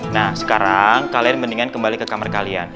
nah sekarang kalian mendingan kembali ke kamar kalian